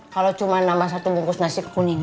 kalau cuma nambah satu bungkus nasi ke kuning